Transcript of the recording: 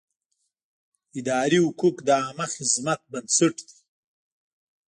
اداري حقوق د عامه خدمت بنسټ دی.